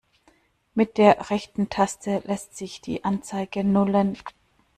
Mit der rechten Taste lässt sich die Anzeige nullen.